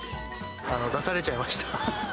出されちゃいました。